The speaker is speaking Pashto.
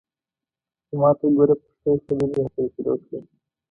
په ماته ګوډه پښتو یې خبرې راسره شروع کړې.